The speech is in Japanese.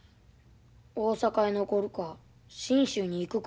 大阪へ残るか信州に行くか。